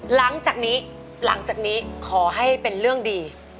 หลังจากนี้หลังจากนี้ขอให้เป็นเรื่องดี